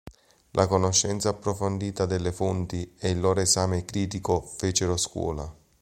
La conoscenza approfondita delle fonti e il loro esame critico fecero scuola.